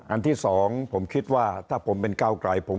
อันที่สองคือถ้าผมเป็นก้าวไกล